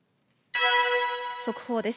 速報です。